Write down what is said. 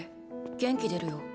元気出るよ。